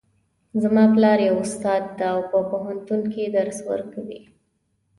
زما پلار یو استاد ده او په پوهنتون کې درس ورکوي